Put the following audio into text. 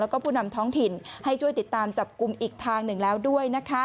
แล้วก็ผู้นำท้องถิ่นให้ช่วยติดตามจับกลุ่มอีกทางหนึ่งแล้วด้วย